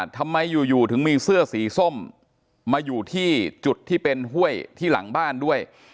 ทำไมอยู่ถึงมีเสื้อสีส้มมาอยู่ที่จุดที่เป็นห้วยที่หลังบ้านด้วย